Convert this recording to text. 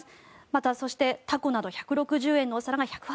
また、そしてタコなど１６５円のお皿が１８０円